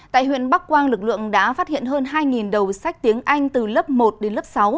tại huyện bắc quang lực lượng đã phát hiện hơn hai đầu sách tiếng anh từ lớp một đến lớp sáu